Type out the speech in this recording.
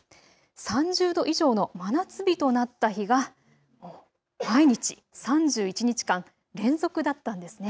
３０度以上の真夏日となった日が毎日、３１日間連続だったんです。